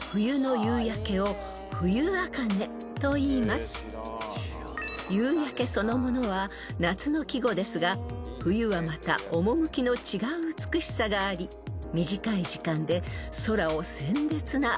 ［夕焼けそのものは夏の季語ですが冬はまた趣の違う美しさがあり短い時間で空を鮮烈なあかね色に染めます］